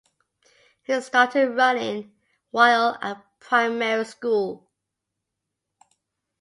He started running while at primary school.